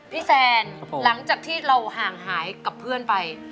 แซนหลังจากที่เราห่างหายกับเพื่อนไป